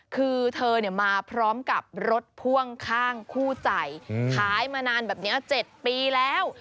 คือเธอมาพร้อมกับรถพ่วงข้างคู่ใจขายมานานแบบนี้๗ปีแล้ว